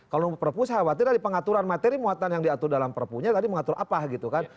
kalau perpu saya khawatir dari pengaturan materi muatan yang diatur dalam perpunya tadi mengatur apa gitu kan